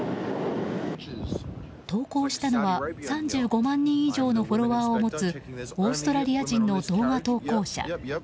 投稿したのは３５万人以上のフォロワーを持つオーストラリア人の動画投稿者。